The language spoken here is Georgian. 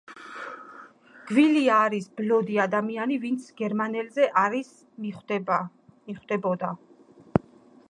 გვილია არის ბლოდი ადამიანი ვინც გერმანულზე არის მიხვდებოდა.